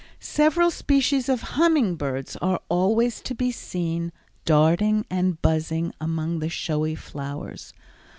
Several species of humming birds are always to be seen, darting and buzzing among the showy flowers.